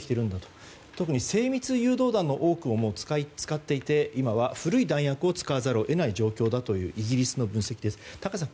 特に精密誘導兵器の多くを使ってしまい今は古い弾薬を使わざるを得ない状況だというイギリスの分析ですが、高橋さん